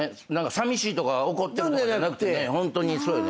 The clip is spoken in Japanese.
さみしいとか怒ってるとかじゃなくてホントにそうよね。